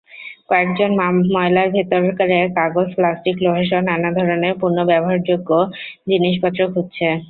কয়েকজন ময়লার ভেতরে কাগজ, প্লাস্টিক, লোহাসহ নানা ধরনের পুনর্ব্যবহারযোগ্য জিনিসপত্র খুঁজছে।